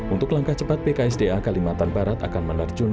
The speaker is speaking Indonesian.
untuk langkah cepat pksda kalimantan barat akan menanggung